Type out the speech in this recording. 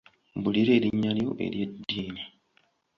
Mbuulira erinnya lyo ery'eddiini.